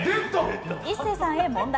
壱成さんへ問題。